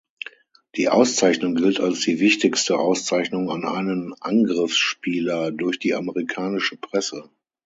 Die Auszeichnung gilt als die wichtigste Auszeichnung an einen Angriffsspieler durch die amerikanische Presse.